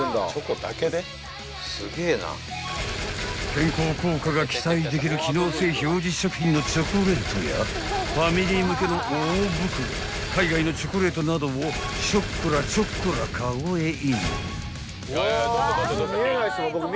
［健康効果が期待できる機能性表示食品のチョコレートやファミリー向けの大袋海外のチョコレートなどをショッコラチョッコラカゴへイン］